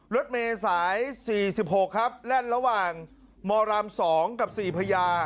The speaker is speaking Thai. รถเมย์สาย๔๖ครับแล่นระหว่างมราม๒กับ๔พญา